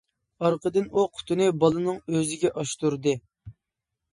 ئارقىدىن ئۇ قۇتىنى بالىنىڭ ئۆزىگە ئاچتۇردى.